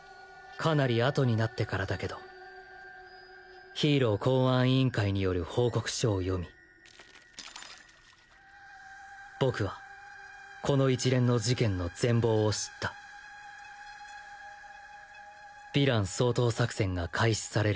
かなり後になってからだけどヒーロー公安委員会による報告書を読み僕はこの一連の事件の全貌を知ったヴィラン掃討作戦が開始される